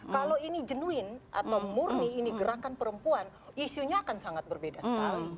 kalau ini genuin atau murni ini gerakan perempuan isunya akan sangat berbeda sekali